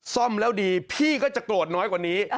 ซ่อมแล้วดีพี่ก็จะโกรธน้อยกว่านี้